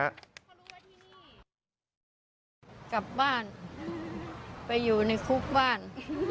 กลับบ้านไปอยู่ในคุกบ้าน